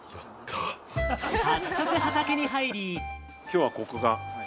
早速、畑に入り。